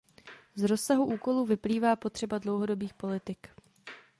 Z rozsahu úkolů vyplývá potřeba dlouhodobých politik.